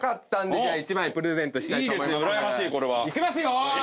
いきますよ！